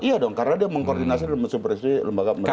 iya dong karena dia mengkoordinasi dengan sumber istri lembaga pemerintahan